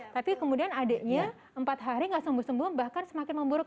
tapi kemudian adiknya empat hari gak sembuh sembuh bahkan semakin memburuk